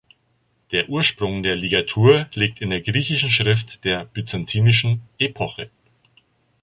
Der Ursprung der Ligatur liegt in der griechischen Schrift der byzantinischen Epoche.